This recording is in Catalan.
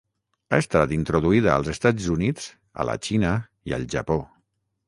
Ha estat introduïda als Estats Units, a la Xina i al Japó.